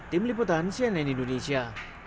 tim liputan cnn indonesia